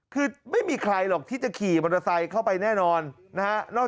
คือไม่มีใครหรอกที่จะขี่มอเตอร์ไซค์เข้าไปแน่นอนนะฮะ